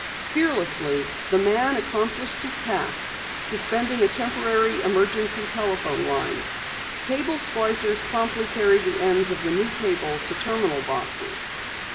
Fearlessly the man accomplished his task, suspending a temporary emergency telephone line. Cable splicers promptly carried the ends of the new cable to terminal boxes.